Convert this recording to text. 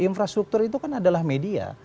infrastruktur itu kan adalah media